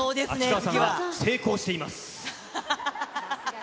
秋川さんは成功しています。